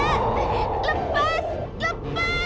tidak lepas lepas